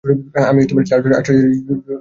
আমি স্টার জলসার আসর ছেড়ে জোরে দিলাম দৌড়।